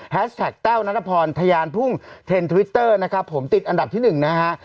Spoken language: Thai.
แท็กแต้วนัทพรทะยานพุ่งเทนทวิตเตอร์นะครับผมติดอันดับที่หนึ่งนะฮะ